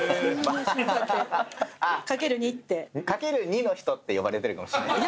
「×２の人」って呼ばれてるかもしれないです。